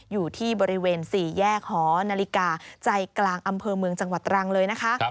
อยู่ที่บริเวณ๔แยกหอนาฬิกาใจกลางอำเภอเมืองจังหวัดตรังเลยนะคะ